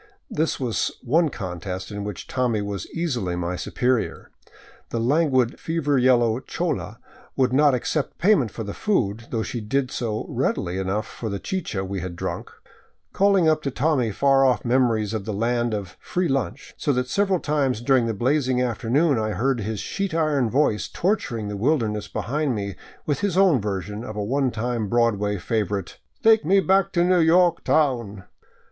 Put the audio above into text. This was one contest in which Tommy was easily my superior. The languid, fever yellow chola would not ac cept payment for the food, though she did so readily enough for the chica we had drunk, calling up to Tommy far off memories of the land of " free lunch," so that several times during the blazing after noon I heard his sheet iron voice torturing the wilderness behind me with his own version of a one time Broadway favorite: " 5take me back to New York town.